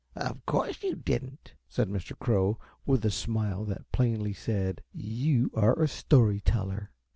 "Of course you didn't," said Mr. Crow, with a smile that plainly said: "You are a story teller."